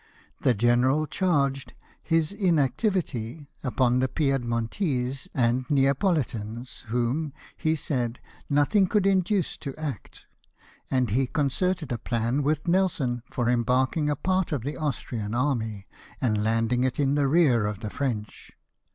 The general charged his inactivity upon the Piedmontese and Neapohtans, whom, he said, nothing could induce to act; and he concerted a plan with Nelson for embarking a part of the Austrian army, and landing it in the rear of the French.